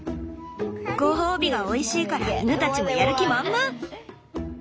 ご褒美がおいしいから犬たちもやる気満々！